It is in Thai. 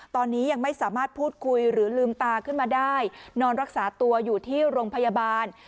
ตอนนี้ยังไม่สามารถพูดคุยหรือลืมตาขึ้นมาได้นอนรักษาตัวอยู่ที่โรงพยาบาล